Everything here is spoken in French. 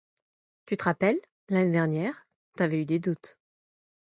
Tu te rappelles, l'année dernière, tu avais eu des doutes.